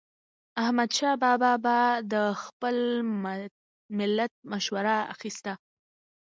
احمدشاه بابا به د خپل ملت مشوره اخیسته.